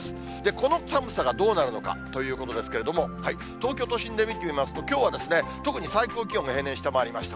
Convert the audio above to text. この寒さがどうなるのかということですけれども、東京都心で見てみますと、きょうは特に最高気温が平年を下回りました。